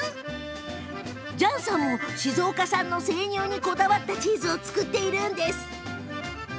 ジャンさんは静岡産の生乳にこだわったチーズを造っているんです。